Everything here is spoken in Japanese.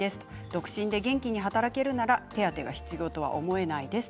独身で元気に働けるなら手当が必要とは思えないです。